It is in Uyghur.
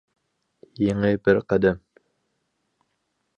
يېڭى بىر قەدەم.